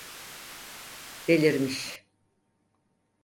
Delirmiş!